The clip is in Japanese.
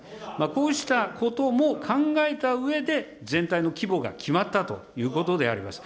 こうしたことも考えたうえで、全体の規模が決まったということであります。